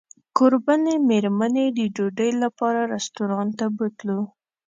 کوربنې مېرمنې د ډوډۍ لپاره رسټورانټ ته بوتلو.